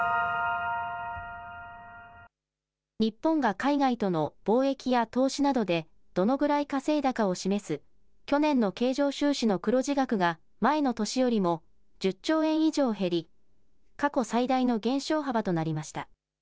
日本が海外との貿易や投資などで、どのぐらい稼いだかを示す、去年の経常収支の黒字額が前の年よりも１０兆円以上減り、過去最大の減少幅となりました。